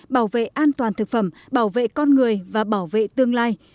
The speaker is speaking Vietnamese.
bảo vệ an toàn thực phẩm bảo vệ con người và bảo vệ tương lai